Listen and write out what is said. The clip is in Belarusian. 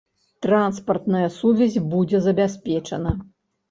Транспартная сувязь будзе забяспечана.